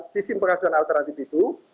sistem pengasuhan alternatif itu